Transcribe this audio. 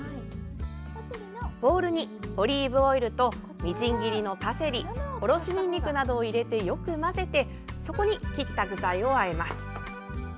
ボウルにオリーブオイルとみじん切りのパセリおろしにんにくなどを入れてよく混ぜてそこに切った具材をあえます。